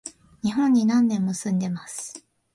日本に何年も住んでます